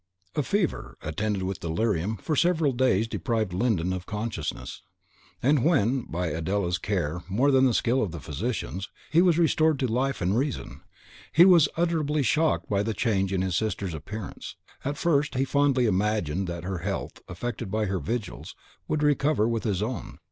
A fever, attended with delirium, for several days deprived Glyndon of consciousness; and when, by Adela's care more than the skill of the physicians, he was restored to life and reason, he was unutterably shocked by the change in his sister's appearance; at first, he fondly imagined that her health, affected by her vigils, would recover with his own.